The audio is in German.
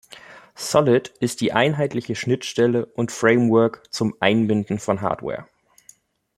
Solid ist die einheitliche Schnittstelle und Framework zum Einbinden von Hardware.